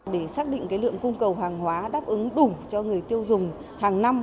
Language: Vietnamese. để xác định cái lượng cung cầu hàng hóa đáp ứng đủ cho người tiêu dùng hàng năm